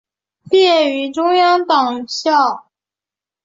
毕业于中央党校。